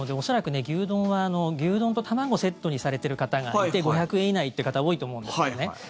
恐らく牛丼は牛丼と卵をセットにされている方がいて５００円以内という方が多いと思うんですよね。